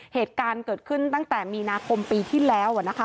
เหตุการณ์เกิดขึ้นตั้งแต่มีนาคมปีที่แล้วนะคะ